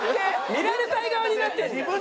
見られたい側になってんじゃん。